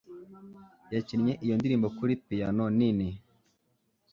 Yakinnye iyo ndirimbo kuri piyano nini